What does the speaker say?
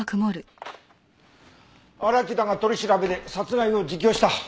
荒木田が取り調べで殺害を自供した。